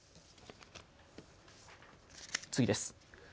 次です。